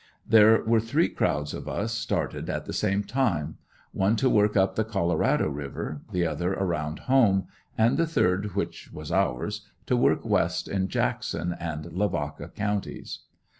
There were three crowds of us started at the same time; one to work up the Colorado river, the other around home and the third which was ours, to work west in Jackson and Lavaca counties.